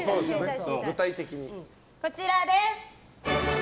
こちらです。